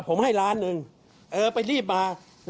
ผมให้๑ล้านบาทเออไปรีบมา